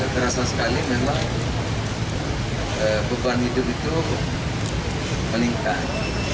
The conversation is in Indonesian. terasa sekali memang beban hidup itu meningkat